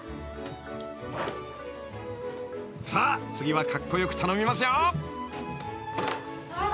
［さあ次はカッコ良く頼みますよ］